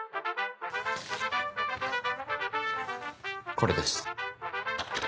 これです。